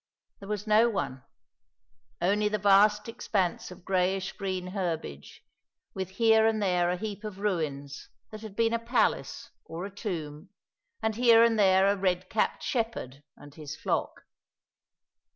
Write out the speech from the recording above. There was no one only the vast expanse of greyish green herbage, with here and there a heap of ruins that had been a palace or a tomb, and here and there a red capped shepherd and his flock.